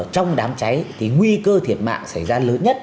trong đám cháy thì nguy cơ thiệt mạng xảy ra lớn nhất